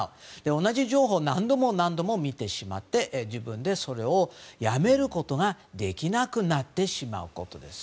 同じ情報を何度も何度も見てしまって自分でそれをやめることができなくなってしまうことです。